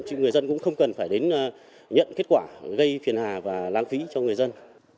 chứ người dân cũng không cần phải đến nhận kết quả gây phiền hà và lãng phí cho người dân